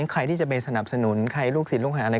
ใครที่จะไปสนับสนุนใครลูกศิษย์ลูกหาอะไร